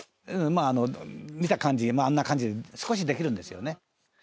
「まあ見た感じあんな感じで少しできるんですよね」